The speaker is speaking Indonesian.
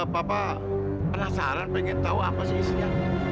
papa penasaran pengen tahu apa sih isinya